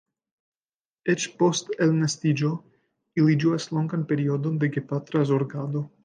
Eĉ post elnestiĝo ili ĝuas longan periodon de gepatra zorgado.